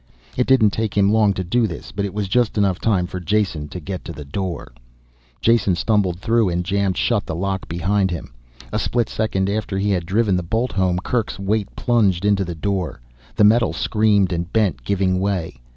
It didn't take him long to do this, but it was just time enough for Jason to get to the door. Jason stumbled through, and jammed shut the lock behind him. A split second after he had driven the bolt home Kerk's weight plunged into the door. The metal screamed and bent, giving way.